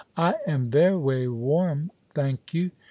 I am veway warm, thank you."